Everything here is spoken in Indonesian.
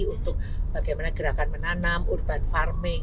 untuk bagaimana gerakan menanam urban farming